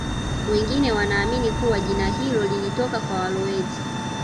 Wengine wanaamini kuwa jina hilo lilitoka kwa walowezi